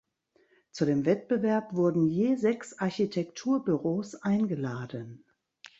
Zu dem Wettbewerb wurden je sechs Architekturbüros eingeladen.